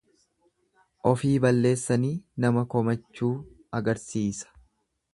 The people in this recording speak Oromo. Ofii balleessanii nama komachuu agarsiisa.